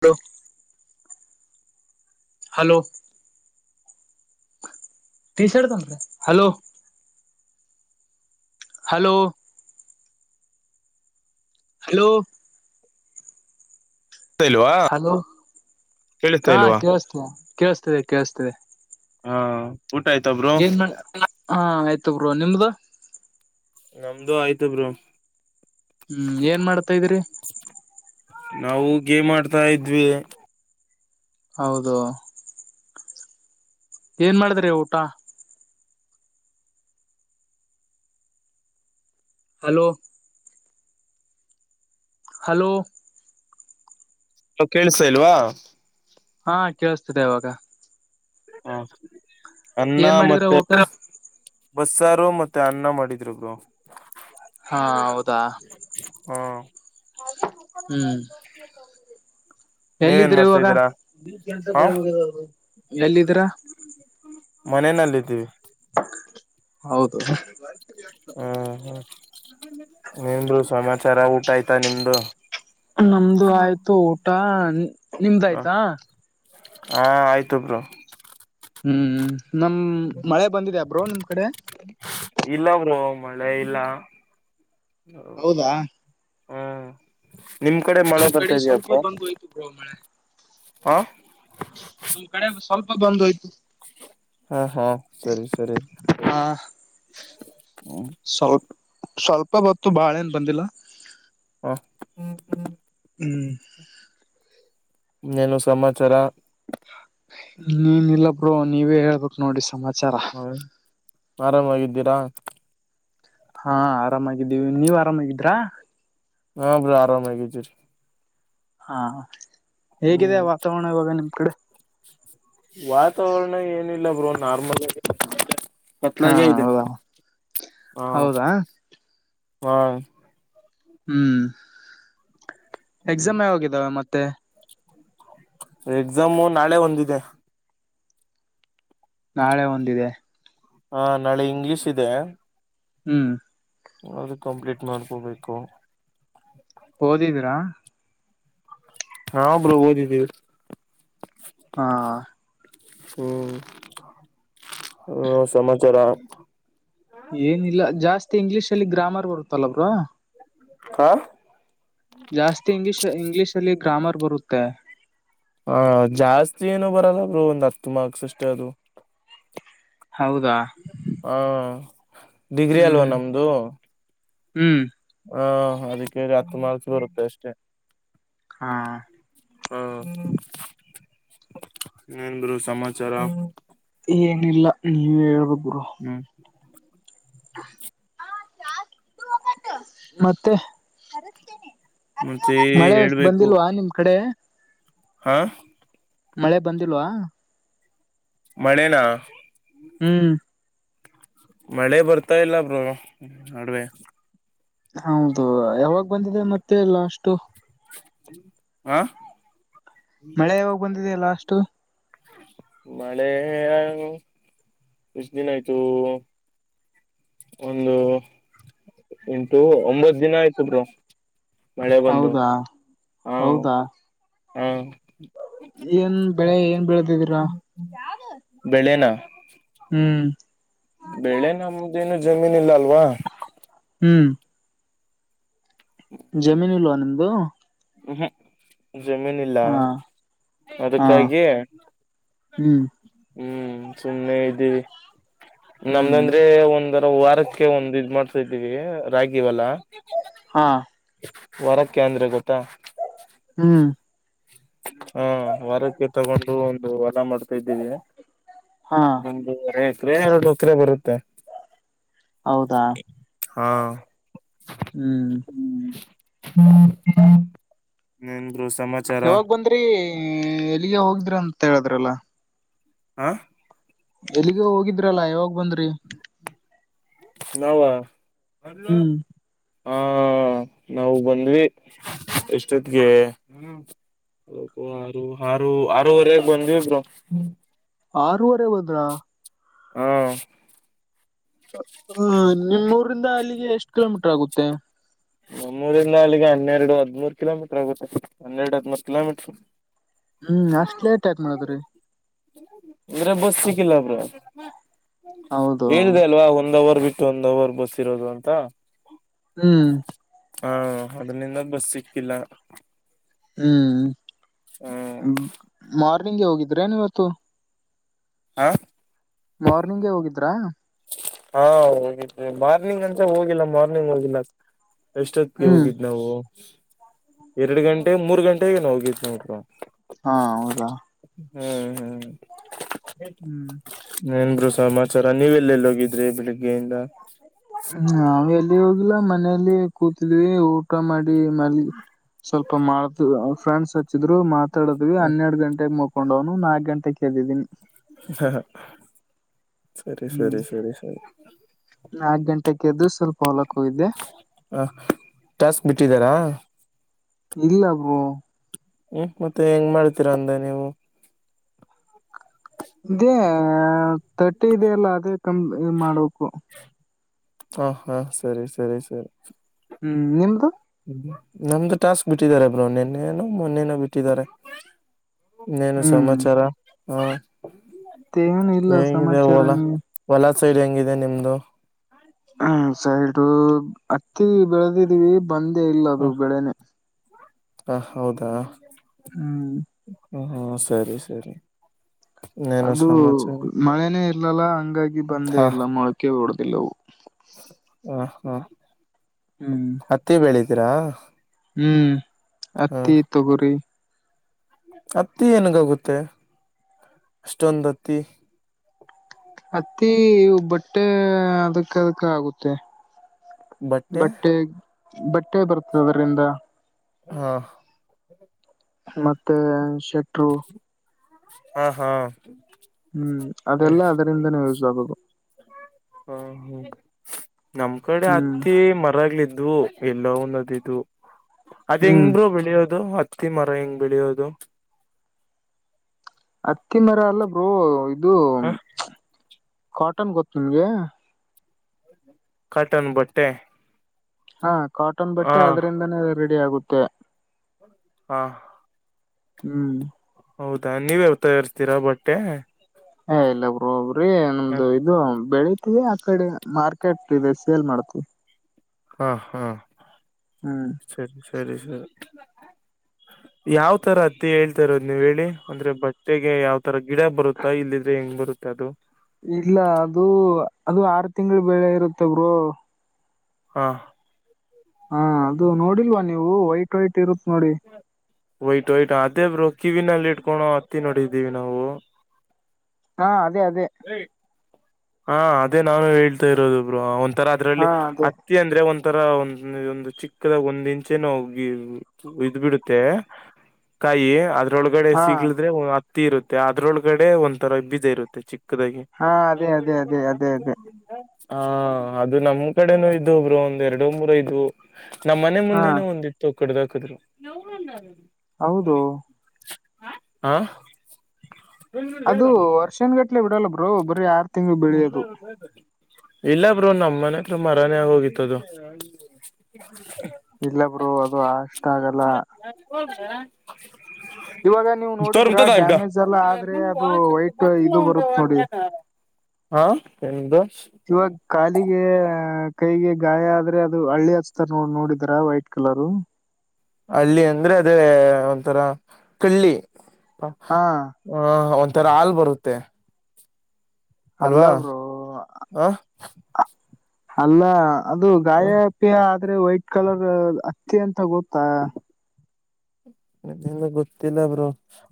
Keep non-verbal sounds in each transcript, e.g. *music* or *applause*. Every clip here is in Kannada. ಹಲೋ ಹಲೋ ಟ ಶರ್ಟ್ ತ ಹಲೋ ಹಲೋ ಹಲೋ ಕೇಳಿಸ್ತಾ ಇಲ್ವಾ ಹಲೋ ಕೇಳಿಸ್ತಾ ಹಾ ಇಲ್ವಾ ಕೇೇಳಸ್ತೀರ ಕೇೇಳಸ್ತದೆ ಕೇೇಳಸ್ತ ಹ್ಮ ಊಟಯ್ತಬ್ರು ಏನ್ ಹ ಆಯ್ತ ಬ್ರೋ ನಿಮ್ದ ನಮ್ದು ಆಯ್ತಬ್ರು ಹ್ಮ್ ಏನ್ ಮಾಡ್ತಾ ಇದ್ರರಿ ನಾವು ಗೇ ಮಾಡ್ತಾ ಇದ ಇದ್ವಿ ಹೌದು ಏನ್ ಮಾಡಿದ್ರಿ ಊಟ ಹಲೋ ಹಲೋ ಕೇಳಳ್ಸಾ ಇಲ್ವಾ ಹಾ ಕೇಳಿಸ್ತಿದೆ ಇವಾಗ ಹಾ ಅನ್ನ ಏನ್ ಮಾಡಿದ್ರ ಮತ್ತೆ ಊಟ ಬಸ್ಸಾರು ಮತ್ತೆ ಅನ್ನ ಮಾಡಿದ್ರುಬ್ರು ಹಾ ಹೌದಾ ಹ್ಮ್ ತದೆ ನೀವೇನ್ ಎಲ್ಲಿದೀ್ರಾ ಮಾಡ್ತಾ ಇವಾಗ ಇದ್ದೀರಾ ಹಾ ಎಲ್ಲಿದೀರಾ ಮನನಲ್ಲಿದ್ದೀವಿ ಹೌದು ಹ್ಮ ಹ ನಿಮರು ಸಮಾಚಾರ ಊಟ ಆಯ್ತಾ ನಿಮ್ದು ನಮ್ದು ಆಯ್ತು ಊಟ ನಿಮ್ದ ಆಯ್ತಾ ಹಾ ಆಯ್ತುೊಬ್ರು ಹ್ಮ್ ನಮ್ ಮಳೆ ಬಂದಿದೆ್ಯಾಬ್ರೋ ನಿಮ್ ಕಡೆ ಇಲ್ಲವರು ಮಳೆ ಇಲ್ಲ ಹೌದಾ ಹ್ಮ ನಿಮ್ ಕಡೆ ಮಳೆ ನಮ್ ಬರ್ತಾ ಕಡೆ ಸ್ವಲ್ಪ ಇದ್ಯಾಪ್ಪ ಬಂದ್ ಹೋಯ್ತು ಬ್ರೋ ಮಳೆ ಹ ನಮ್ ಕಡೆ ಸ್ವಲ್ಪ ಬಂದೋಯ್ತು ಹಾ ಹಾ ಸರಿ ಸರಿ ಹ ಹ್ಮ ಸ್ವಲ್ಪ ಸ್ವಲ್ಪ ಹೊತ್ತು ಬಾಳ ಏನ್ ಬಂದಿಲ್ಲ ವಾಹ ಹ್ಮ್ ನೇನು ಸಮಾಚಾರ ನೀನ್ ಇಲ್ಲಬ್್ರ ನೀವೇ ಹೇಳ್ಬೇಕು ನೋಡಿ ಸಮಾಚಾರ ಹ ಆರಾಮಾಗಿದ್ದೀರಾ ಹಾ ಆರಾಮಾಗಿದ್ದೀವಿ ನೀವ್ ಆರಾಮಾಗಿದ್ರಾ ಹಾ ಬ್ರಿ ಆರಾಮಾಗಿದ್ದೀರಿ ಹಾ ಹೇಗಿದೆ ಹ್ಮ್ ವಾತಾವರಣ ಇಾಗ ನಿಮ್ ಕಡೆ ವಾತಾವರಣ ಏನಿಲ್ಲ ಬ್ರೋ ನಾರ್ಮಲ್ ಹಾ ಪತ್ಲಗೆ ಇದೆ ಹೌದಾ ಹಾ ಹೌದಾ ಹ ಹ್ಮ್ ಎಕ್ಸಾಮ್ ಯಾವಾಗಿದ್ದಾವೆ ಮತ್ತೆ ಹ ಎಕ್ಸಾಮು ನಾಳೆ ಒಂದಿದೆ ನಾಳೆ ಒಂದಿದೆ ಹಾ ನಾಳೆ ಇಂಗ್ಲೀಷ್ ಇದೆ ಹ್ಮ್ ಆದರು ಕಂಪ್ಲೀಟ್ ಮಾಡ್ಕೋಬೇಕು ಓದಿದಿರಾ ಹಾ ಬ್ರೋ ಓದಿದ್ದೀಿವ ಹಾ ಹ್ಮ್ ಹ ಸಮಾಚಾರ ಏನಿಲ್ಲ ಜಾಸ್ತಿ ಇಂಗ್ಲಿೀಷ್ ಅಲ್ಲಿ ಗ್ರಾಮರ್ ಬರುತ್ತಲ್ಲ ಬ್ರಾ ಹ ಜಾಸ್ತಿ ಇಂಗ್ಲಲಿಷ್ ಇಂಗ್ಲೀಷ್ ಅಲ್ಲಿ ಗ್ರಾಮರ್ ಬರುತ್ತೆ ಹ ಜಾಸ್ತಿ ಏನು ಬರಲ್ಲಬ್ರು ಒಂದ್ ಹತ್ತು ಮಾರ್ಕ್ಸ್ ಅಷ್ಟೇ ಅದು ಹೌದಾ ಹಾ ಡಿಗ್ರಿ ಅಲ್ವಾ ಹ್ಮ್ ನಮ್ದು ಹ್ಮ್ ಹಾ ಅದಕ್ಕೆ ಹತ್ತು ಮಾಲ್ಸ ಬರುತ್ತೆ ಅಷ್ಟೇ ಹಾ ಹಾ ಏನ್ರು ಸಮಾಚಾರ ಏನಿಲ್ಲ ನೀವ ಹೇಳ್ಬೇಕ ಗುರು ಹ್ಞೂ ಮತ್ತೆ ಮತ್ತೆ ಮಳೆ ಬಂದಿಲ್ವಾ ನಿಮ್ ಕಡೆ ಹಾಂ ಮಳೆ ಬಂದಿಲ್ವಾ ಮಳನಾ ಹ್ಮ್ ಮಳೆ ಬರ್ತಾ ಇಲ್ಲ ಬ್ರೋ ನಡುವೆ ಹೌದು ಯಾವಾಗ ಬಂದಿದೆ ಮತ್ತೆಲ್ಲ ಅಷ್ಟು ಹ ಮಳೆ ಯಾವಾಗ ಬಂದಿದೆೆಯ ಲಾಸ್ಟ್ ಮಳೆ ಎಷ್ಟ ದಿನ ಆಯ್ತು ಒಂದು ಎಂಟು ಒಂಬತ್ತು ದಿನ ಆಯ್ಟ್ರು ಮಳೆ ಬೊಂದು ಹೌದಾ ಹಾ ಹೌದಾ ಹ ಏನ್ ಬೆಳೆ ಏನ್ ಬೆೀಳದಿದ್ದೀರಾ ಬೆಳನಾ ಹ್ಮ್ ಬೆಳೆ ನಮ್ದೇನು ಜಮೀನ್ ಇಲ್ಲ ಅಲ್ವಾ ಹ್ಮ್ ಜಮೀನು ಇಲ್ವಾ ನಿಮ್ದು ಹ ಹ ಜಮೀನ್ ಇಲ್ಲ ಹಾ ಹಾ ಅದಕ್ಕಾಗಿ ಹ್ಮ್ ಹ್ಮ್ ಸು್ನೆ ಇದ್ದೀವಿ ಹ್ಮ್ ನಮ್ದಂದ್ರೆ ಒಂದ ವಾರಕ್ಕೆ ಒಂದ ಇದ್ ಮಾಡ್ತಾ ಇದ್ದೀವಿ ರಾಗಿವಲ್ಲ ಹಾ ವರಕ್ಕೆ ಅಂದ್ರೆ ಗೊತ್ತಾ ಹ್ಮ ಹಾ ವಾರಕ್ಕೆ ತಗೊಂಡು ಒಂದು ವಾರ ಮಾಡ್ತಾ ಇದ್ದೀವಿ ಹಾ ಕ್ರರ ಒಕ್ರೆ ಬರುತ್ತೆ ಹೌದಾ ಹಾ ಹ್ಮ್ ಹ್ಮ ನರು ಸಮಾ ಯಾವಾಗ ಬಂದ್ರಿ ಎಲ್ಲಿಗೆ ಹೋಗಿದ್ರ ಅಂತ ಹೇಳಿದ್ರಲ್ಲ ಆಾಂ ಎಲ್ಲಿಗೆ ಹೋಗಿದ್ರಲ್ಲಾ ಯಾವಾಗ್ ಬಂದ್ರಿ ನಾವ ಹ್ಮ್ ಹಾ ನಾವವು ಬಂದ್ವಿ ಎಷ್ಟೊತ್ತಿಗೆ ಆರು ಆರೂವರೆಗೆ ಬಂದಿವಿ ಬ್ರೋ ಆರುವರೆ ಹೋದ್ರ ಹಾ ಹ ನಿಮ್ಮೂರಿಂದ ಅಲ್ಲಿಗೆ ಎಷ್ಟ್ ಕಿಲೋಮೀಟರ್ ಹಾಗುತ್ತೆ ನಮ್ಮೂರಿಂದ ಅಲ್ಲಿಗೆ ಹನ್ನೆರಡು ಹದ್ಮೂರ್ ಕಿಲೋಮೀಟ್ರ ಆಗುತ್ತೆ ಹನ್ನೆರಡು ಹದ್ಮೂರ್ ಕಿಲೋಮೀಟ್ರ ಹ್ಮ್ ಅಷ್ಟ್ ಲೇಟ್ ಯಾಕ್ ಮಾಡಿದ್ರಿ ಅಂದ್ರೆ ಬಸ್ ಸಿಕ್ಕಿಲ್ಲ ಬ್ರೋ ಹೌದು ಹೇಳಿದೆ ಅಲ್ವಾ ಒಂದ್ ಅವರ್ ಬಿಟ್ಟು ಒಂದ್ ಅವರ್ ಬಸ್ ಇರೋದು ಅಂತ ಹ್ಮ್ ಹಾ ಅದರಿಂದ ಬಸ್ ಸಿಕ್ಕಿಲ್ಲ ಹ್ಮ್ ಹ್ಮ್ ಮಾರ್ನಿಂಗ್ಗೆ ಹೋಗಿದ್ರೇನ್ ಇವತ್ತು ಹಾ ಮಾರ್ನಿಂಗೆ ಹೋಗಿದ್ರಾ ಹಾ ಹೋಗಿದವಿ ಮಾರ್ನಿಂಗ್ ಅಂತ ಹೋಗಿಲ್ಲ ಮಾರ್ನಿಂಗ್ ಹೋಗಿಲ್ಲ ಎಷ್ಟೊತ್ತಿಗೆ ಹ್ಮ್ ಹೋಗಿದ್ ನಾವು ಎರಡು ಗಂಟೆ ಮೂರು ಗಂಟೆೆಗೆ ಹೋಗಿದ ನೋಡ್ ಹಾ ಹೌದಾ ಹ್ಮ್ ಹ್ಮ್ ಹ್ಮ್ಏನ್ ಬ್ರೋ ಸಮಾಚಾರ ನೀವು ಎಲ್ಲೆಲ್ಲಿೋಗಿದ್ರಿ ಬೆಳಿಗ್ಗೆಯಿಂದ ನಾವ ಎಲ್ಲಿ ಹೋಗಿಲ್ಲ ಮನಲಿ ಕೂತಿದ್ವಿ ಊಟ ಊಟ ಮಾಡಿಮಲ್ಗ್ ಸ್ವಲ್ಪ ಮಾತ್ ಫ್ರೆಂಡ್ಸ್ ಹಚ್ಚಿದ್ರು ಮತ್ ಡದ್ವಿ ಹ್ಮ್ ಹನ್ನೆರಡು ಗಂಟೆಗೆ ಮುಕೊಂಡವ್ ನಾಕ್ ಗಂಟೆಗೆ ಎದ್ದಿದೀನಿ ಹ ಸರಿ ಸರಿ ಸರಿ ಸರಿ ನಾಲ್ಕು ಗಂಟೆೆಗೆದ್ದು ಸ್ವಲ್ಪ ಹೊಲಕ್ ಹೋಗಿದ್ದೆ ಹ ಟಾಸ್ಕ್ ಬಿಟ್ಟಿದ್ದಾರಾ ಇಲ್ಲ ಬ್ರೋ ಹ್ಮ್ ಮತ್ತೆ ಹೆಂಗ್ ಮಾಡ್ತೀರಾ ಅಂದೇ ನೀವು ಇದೇ ತಟ್ಟೆ ಇದೆ ಅಲ್ಲ ಅದೇ ತಂದು ಮಾಡ್ಬೇಕು ಹಾ ಹಾ ಸರಿ ಸರಿ ಸರಿ ಹ್ಮ್ ನಿಮ್ಮದು ನಮ್ದು ಟಾಸ್ಕ್ ಬಿಟ್ಟಿದ್ದಾರೆ ಬ್ರೋ ನೆನ್ನೆನೋ ಮೊನ್ನೆನೋ ಬಿಟ್ಟಿದ್ದಾರೆ ಇನೇನು ಹ್ಮ್ ಸಮಾಚಾರ ಹಾ ಮತ್ತೆ ಏನು ಇಲ್ಲ ಸಮಾಚಾರ ನೀ ಹೊಲಾ ಸೈಡ್ ಹೆಂಗಿದೆ ನಿಮ್ದು ಹ್ಮ ಸೈಡ್ ಹತ್ತಿ ಬೆಳೆದಿದೀವಿ ಬಂದೇ ಇಲ್ಲ ಹ ಅದು ಬೆಳೆನೆ ಹ ಹೌದಾ ಹ್ಮ ಹ ಹ ಸರಿ ಸರಿ ಇನ್ನೇನು ಅದು ಸಮಾಚಾರ ಮಳೆನೇ ಇರ್ಲಲ್ಲ ಹಂಗಾಗಿ ಬಂದೇ ಹಾ ಇಲ್ಲ ಮೊಳಕೆ ಹೊಡದಿಲ್ಲವು ಹ ಹಾ ಹ್ಮ್ ಹತ್ತಿ ಬೆಳಿದ್ದೀರಾ ಹ್ಮ್ ಹತ್ತಿ ತೊಗೊರಿ ಅತ್ತಿ ಏನಗೋಗುತ್ತೆ ಅಷ್ಟೊಂದ್ ಅತ್ತಿ ಅತ್ತಿ ಬಟ್ಟೆ ಅದಕ್ಕ ಅದಕ್ಕ ಆಗುತ್ತೆ ಬಟ್ಟೆ ಬಟ್ಟೆ ಬರ್ತದೆ ಅದರಿಂದ ಹಾ ಮತ್ತೆ ಶೆಟ್ರು ಹಾ ಹಾ ಹ್ಮ್ ಅದೆಲ್ಲಾ ಅದರಿಂದನ ಯೂಸ್ ಆಗದು ಹ ಹ್ಮ ನಮ್ ಕಡೆ ಹ್ಮ್ ಅತ್ತಿ ಮರಗ್ಲಿದ್ವು ಎಲ್ಲೋ ಒಂದದ ಇು ಅದ್ ಹೆಂಗ ಹ್ಮ್ ಬ್ರೋ ಬೆಳಿಯೋದು ಹತ್ತಿ ಮರ ಹೆಂಗ್ ಬೆಳೆಯೋದು ಹತ್ತಿ ಮರ ಅಲ್ಲ ಬ್ರೋ ಇದು ಹ ಕಾಟನ್ ಗೊತ್ತು ನಿಮ್ಗೆ ಕಟನ್ ಬಟ್ಟೆ ಹಾ ಕಾಟನ್ ಹ ಬಟ್ಟೆ ಅದ್ರಿಂದಾನೇ ರೆಡಿ ಆಗುತ್ತೆ ಹಾ ಹ್ಮ್ ಹೌದಾ ನೀವೇ ತಯರ್್ತೀರಾ ಬಟ್ಟೆ ಏ ಇಲ್ಲ ಬ್ರೋ ಒಬ್ರಿ ಹ ನಮ್ದು ಇದು ಬೆಳಿ ೇ ಆ ಕಡೆ ಮಾರ್ಕೆಟ್ ಇದೆ ಸೇಲ್ ಮಾಡ್ತವಿ ಹಾ ಹಾ ಹ್ಮ್ ಸರಿ ಸರಿ ಸರಿ ಯಾವ್ ತರ ಹತ್ತಿ ಹೇಳ್ತಾ ಇರೋದ್ ನೀವ ಹೇಳಿ ಅಂದ್ರೆ ಬಟ್ಟೆಗೆ ಯಾವ್ ತರ ಗಿಡ ಬರುತ್ತೆ ಇಲ್ಲಿದ್ರೆ ಹೆಂಗ್ ಬರುತ್ತೆ ಅದು ಇಲ್ಲ ಅದು ಅದು ಆರು ತಿಂಗಳು ಬೆಳೆ ಇರುತ್ತವರು ಹಾ ಹಾ ಅದು ನೋಡಿಲ್ವಾ ನೀವು ವೈಟ್ ವೈಟ್ ಇರುತ್ ನೋಡಿ *inaudible* ಒಯ್ಟ್ು ಒಯತು ಅದೇಬ್ರು ಕಿವಿನಲ್ಲಿ ಇಟ್ಕೊೋ ಹತ್ತಿ ನೋಡಿದ್ದೀವಿ ನಾವು ಹಾ ಅದೇ ಅದೇ ಹಾ ಅದೇ ನಾನು ಹೇಳ್ತಾ ಇರೋದು ಬ್ರೋ ಒಂಥರ ಹಾ ಅದರಲ್ಲಿ ಅದೇ ಅಂದ್ರೆ ಒಂಥರಾ ಒಂದು ಚಿಕ್ಕದಾಗ ಒಂದ ಇಂಚೆನ ಹೋಗಿ ಇದ್ ಬಿಡುತ್ತೆ ಕಾಯಿ ಅದ ಅದ್ರೊಳಗಡೆ ಹಾ ಸಿಗ್ಲಿದ್ರೆ ಹತ್ತಿ ಇರುತ್ತೆ ಅದ್ರೊಳಗಡೆ ಒಂಥರ ಬೀಜ ಇರುತ್ತೆ ಚಿಕ್ಕದಾಗಿ ಹಾ ಅದೇ ಅದೇ ಅದೇ ಅದೇ ಅದೇ ಹಾ ಅದು ನಮ ಕಡೆನೂ ಇದ ಒಬ್ರು ಒಂದ್ ಎರಡು ಮೂರೈದು ನಮ್ಮ್ ಮನೆ ಹಾ ಮುಂದೆನೆ ಒಂದಿತ್ತು ಕುಡ್ದಾಕಿದ್ರು ಹೌದು ಹಾ ಅದು ವರ್ಷನ್ ಗಟ್ಲೆ ಬಿಡಲ್ಲ ಬ್ರೋ ಬರೆ ಆರ್ ತಿಂಗೆ ಮುದಲ *unintelligible* ಇಲ್ಲ ಬ್ರೋ ನಮ್ಮ ಮನತ್ರ ಮರಾನೇ ಆಗೋಗಿತ್ತದು ಇಲ್ಲ ಬ್ರರು ಅದುಷ್ಟ ಆಗಲ್ಲ ಹೋಗದ ಇವಾಗ ನೀವು *unintelligible* ನೋಡಿದ್ರ ತೋರ್ಾಗೆ ಡ್ಯಾಮೇಜ್ ಎಲ್ಲ ಆದ್ರೆ ಅದು ವೈಟ್ ಇದು ಬ ಬರುತ್ ನೋಡಿ *unintelligible* ಹಾ ಎ್ದ ಇವಾಗ ಕಾಲಿಗೆ ಕೈಗೆ ಗಾಯ ಆದ್ರೆ ಅದು ಹಳ್ಳಿ ಹಚ್ತಾರ ನೋ ನೋಡಿದರ ವೈಟ್ ಕಲರು ಹಳ್ಳಿ ಅಂದ್ರೆ ಅದೇ ಒಂಥರ ಕಳ್ಳಿ ಹಾ ಹ ಒಂಥರ ಹಾಲ್ ಬರುತ್ತೆ ಅಲ್ವಾ ಅಲ್ಲಬ್ರು ಹ ಅಲ್ಲ ಅದು ಗಾಯ ಅ ಆದ್ರೆ ವೈಟ್ ಕಲರ್ ಅತ್ತಿ ಅಂತ ಗೊತ್ತಾ ಅದೆಲ್ಲ ಗೊತ್ತಿಲ್ಲಬ್ರು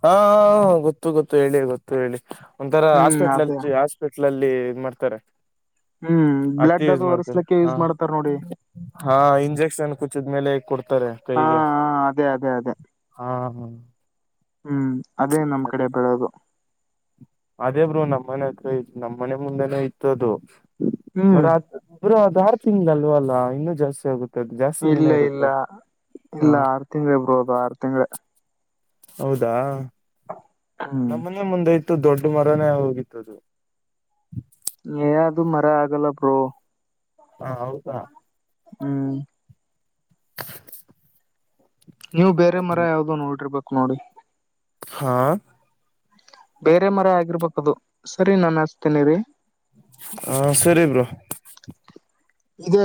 ಹಾ ಹಾ ಹಾ ಗೊತ್ತು ಗೊತ್ತು ಹೇಳಿ ಗೊತ್ತು ಹೇಳಿ ಒಂಥರ ಹ್ಮ್ ಅದೇ ಹಾಸ್ಪಿಟ್ಲ್ಲ್ಲಿ ಹಾಸ್ಪಿಟ್ಲ್ ಅಲ್ಲಿ ಇದ್ ಮಾಡ್ತಾರೆ ಹ್ಮ್ ಹತ್ತಿ ಬ್ಲಡ್ ಯೂಸ್ ಅದು ಮಾಡ್ತಾರೆ ಒರೆಸ್ಲಕ್ಕೆ ಹಾ ಯೂಸ್ ಮಾಡ್ತಾರ ನೋಡಿ ಹಾ ಇಂಜೆಕ್ಷನ್ ಕುಚ್ಚಿದ್ಮೇಲೆ ಕೊಡ್ತಾರೆ ಹಾ ಕೈಗೆ ಹ ಅದೇ ಅದೇ ಅದೇ ಹಾ ಹಾ ಹ್ಮ್ ಅದೇ ನಮ್ ಕಡೆ ಬೆಳೋದು ಅದೇ ಬೂ ನಮ್ಮನೆ ಹತ್ರ ನಮ್ಮ್ ಮನೆ ಮುಂದೆನೆ ಇತ್ತುದು ಹ್ಮ್ ಮರ ಇಬ್ರು ಅದ ಆರು ತಿಂಗ್ಲ್ವಲ್ಲ ಇನ್ನು ಜಾಸ್ತಿ ಆಗುತ್ತೆ ಅದು ಜಾಸ್ತಿ ದಿನ ಇಲ್ಲ ಇರುತ್ತ ಇಲ್ಲ ಹ ಇಲ್ಲ ಆರು ತಿಂಗಳ ಬ್ರೋ ಆರು ತಿಂಗಳ ಹೌದಾ ಹ್ಮ್ ನಮ್ಮನೆೇ ಮುಂದೆ ಇತ್ತುು ದೊಡ್ಡ ಮರನೇ ಹೋಗಿತ್ತು ಅದು ಏ ಅದು ಮರ ಆಗಲ್ಲ ಬ್ರೋ ಹಾ ಹೌದಾ ಹ್ಮ *inaudible* ನೀವು ಬೇರೆ ಮರ ಯಾವುದೋ ನೋಡಿರ್ಬೇಕು ನೋಡಿ. ಹಾ ಬೇರೆ ಮರ ಆಗಿರ್ಬೇಕದು ಸರಿ ನನ್ ಅಸ್ತೇನಿರಿ. ಹಾ ಸರಿ ಬ್ರೋ. ಇದೆ